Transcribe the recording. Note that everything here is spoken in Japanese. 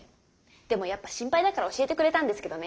でもやっぱ心配だから教えてくれたんですけどね。